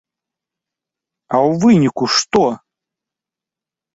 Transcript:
А ў выніку што?